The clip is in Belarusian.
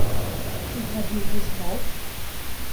Ці зрабіў бы зноў?